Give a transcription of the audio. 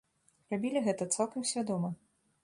Рабілі гэта цалкам свядома.